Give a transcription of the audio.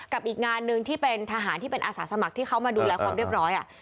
อีกงานหนึ่งที่เป็นทหารที่เป็นอาสาสมัครที่เขามาดูแลความเรียบร้อย